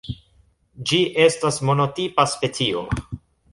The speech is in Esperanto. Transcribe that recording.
Ĝi estas monotipa specio.